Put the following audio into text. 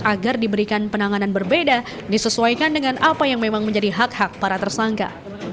agar diberikan penanganan berbeda disesuaikan dengan apa yang memang menjadi hak hak para tersangka